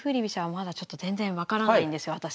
飛車はまだちょっと全然分からないんですよ